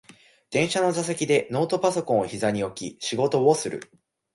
電車の座席でノートパソコンをひざに置き仕事をする